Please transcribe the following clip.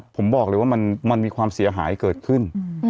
ผมบอกเลยว่ามันมีความเสียหายเกิดขึ้น